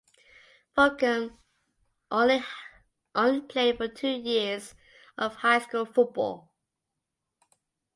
Fulgham only played two years of high school football.